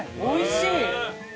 おいしい！